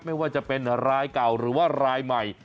ไม่ว่าจะเป็นรายเก่าหรือว่ารายใหม่